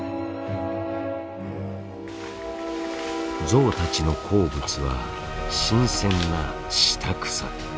ゾウたちの好物は新鮮な下草。